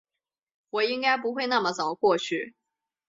我应该不会那么早过去